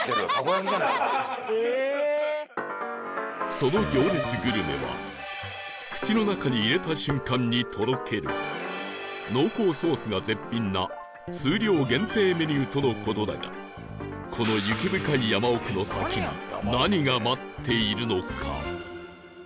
その行列グルメは口の中に入れた瞬間にとろける濃厚ソースが絶品な数量限定メニューとの事だがこの雪深い山奥の先に何が待っているのか？